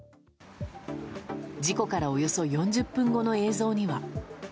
事故からおよそ４０分後の映像には。